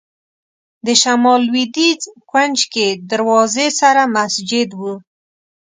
د شمال لوېدیځ کونج کې دروازې سره مسجد و.